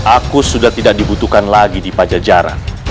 aku sudah tidak dibutuhkan lagi di pajajaran